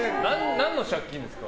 何の借金ですか？